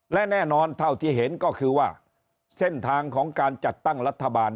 และแน่นอนเท่าที่เห็นก็คือว่าเส้นทางของการจัดตั้งรัฐบาล